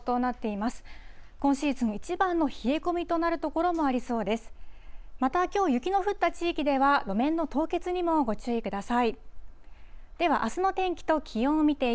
またきょう雪の降った地域では、路面の凍結にもご注意ください。